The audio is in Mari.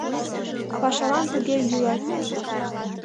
Пашалан туге йӱлат.